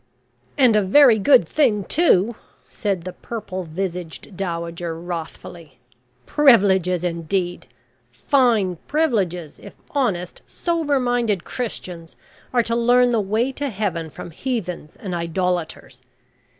"And a very good thing too," said the purple visaged dowager wrathfully. "Privileges indeed! Fine privileges, if honest, sober minded Christians are to learn the way to Heaven from heathens and idolaters.